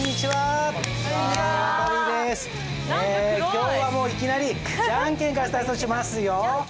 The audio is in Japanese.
今日はもういきなりじゃんけんからスタートしますよ！